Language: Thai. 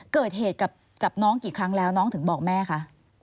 เกิดเหตุกับน้องกี่ครั้งแล้วน้องถึงบอกแม่คะ